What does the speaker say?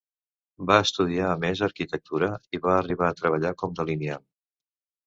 Va estudiar a més Arquitectura, i va arribar a treballar com delineant.